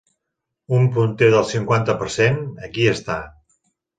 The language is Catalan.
Un punter del cinquanta per cent, aquí està!